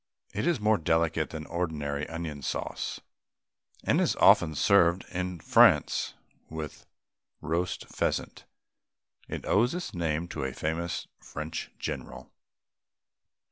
It is more delicate than ordinary onion sauce, and is often served in France with roast pheasant. It owes its name to a famous French general.